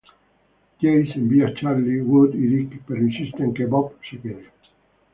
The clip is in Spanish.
Jesse envía a Charley, Wood y Dick, pero insiste en que Bob se quede.